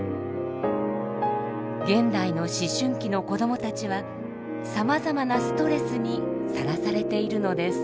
現代の思春期の子どもたちはさまざまなストレスにさらされているのです。